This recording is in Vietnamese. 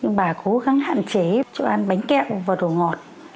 nhưng bà cố gắng hạn chế cho em ăn bánh kẹo và đồ ngọt